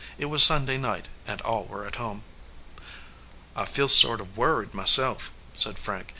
It was Sunday night, and all were at home. "I feel sort of worried myself," said Frank.